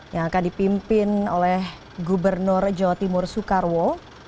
yang akan dipimpin oleh gubernur jawa timur soekarwo